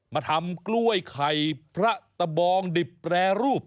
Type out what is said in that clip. มาทำกล้วยไข่พระตะบองดิบแปรรูป